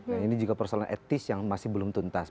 nah ini juga persoalan etis yang masih belum tuntas